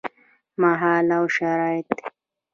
مهال او شرايط: